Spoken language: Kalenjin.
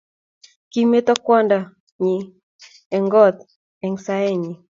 kimeto kwanda nyij eng koot eng saenyi